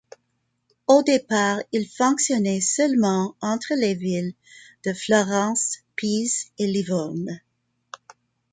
Au départ il fonctionnait seulement entre les villes de Florence, Pise et Livourne.